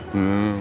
うん。